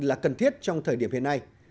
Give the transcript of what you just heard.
là cần thiết trong thời điểm hiện nay